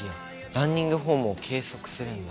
ランニングフォームを計測するんだ。